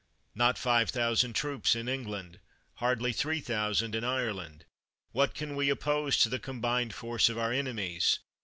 Not five thousand troops in England! hardly three thousand in Ireland! What can we oppose to the combined force of our enemies